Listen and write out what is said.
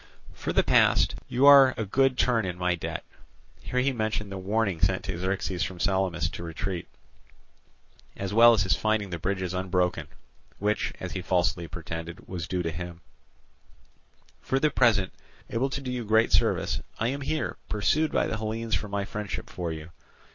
For the past, you are a good turn in my debt"—here he mentioned the warning sent to Xerxes from Salamis to retreat, as well as his finding the bridges unbroken, which, as he falsely pretended, was due to him—"for the present, able to do you great service, I am here, pursued by the Hellenes for my friendship for you.